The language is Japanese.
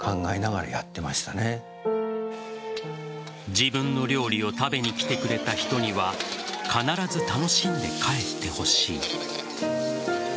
自分の料理を食べに来てくれた人には必ず楽しんで帰ってほしい。